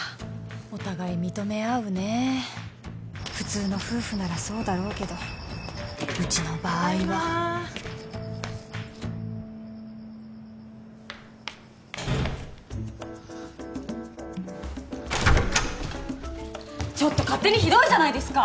「お互い認め合う」ねえ普通の夫婦ならそうだろうけどうちの場合はただいまちょっと勝手にひどいじゃないですか！